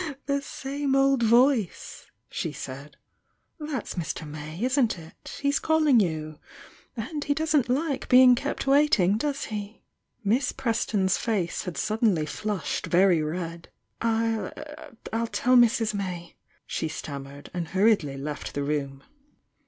"The same old voice!" she said. "That's Mr. May, isn't it? He's calling you— and he doesn't like being kept waiting, does he?" Miss mston's face had suddenly flushed very red. "I'll tell Mrs. May," she stammered, and hur riedly left the room.